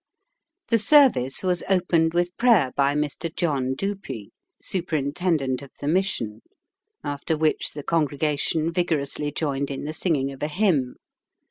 The service was opened with prayer by Mr. John Dupee, superintendent of the Mission, after which the congregation vigorously joined in the singing of a hymn.